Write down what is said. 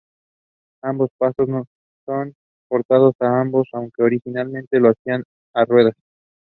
I love her lyricism.